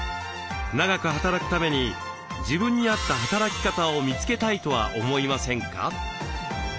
長く働くために自分に合った働き方を見つけたいとは思いませんか？